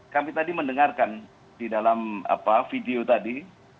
kami tadi mendengarkan di dalam video tadi